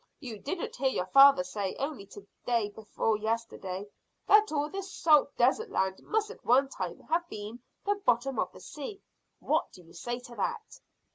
You didn't hear your father say only day before yesterday that all this salt desert land must at one time have been the bottom of the sea. What do you say to that?"